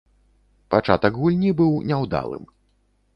Пачатак гульні быў няўдалым.